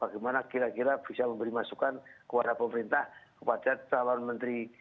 bagaimana kira kira bisa memberi masukan kepada pemerintah kepada calon menteri